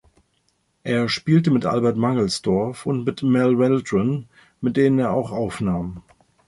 Er spielte mit Albert Mangelsdorff und mit Mal Waldron, mit denen er auch aufnahm.